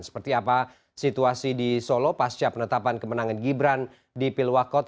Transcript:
seperti apa situasi di solo pasca penetapan kemenangan gibran di pilwakot